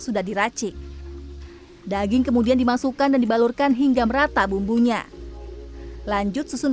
sudah diracik daging kemudian dimasukkan dan dibalurkan hingga merata bumbunya lanjut susun